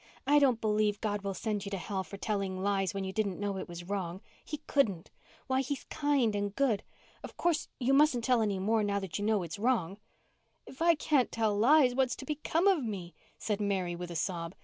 "I don't believe God will send you to hell for telling lies when you didn't know it was wrong. He couldn't. Why, He's kind and good. Of course, you mustn't tell any more now that you know it's wrong." "If I can't tell lies what's to become of me?" said Mary with a sob.